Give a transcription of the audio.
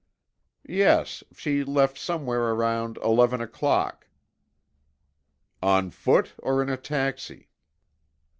"Yes, she left somewhere around eleven o'clock." "On foot or in a taxi?"